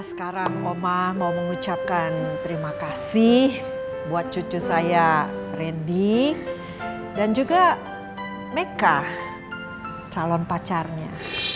sekarang omah mau mengucapkan terima kasih buat cucu saya randy dan juga meka calon pacarnya